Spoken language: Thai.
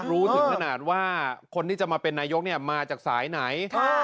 รู้ถึงขนาดว่าคนที่จะมาเป็นนายกมาจากสายไหน